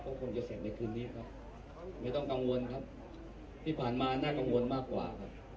ก็คงจะเสร็จในคืนนี้ครับไม่ต้องกังวลครับที่ผ่านมาน่ากังวลมากกว่าครับ